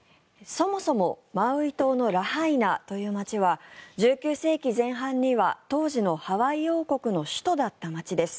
そもそも、マウイ島のラハイナという街は１９世紀前半には当時のハワイ王国の首都だった街です。